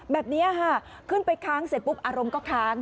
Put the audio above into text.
แบบนี้ค่ะขึ้นไปค้างเสร็จปุ๊บอารมณ์ก็ค้าง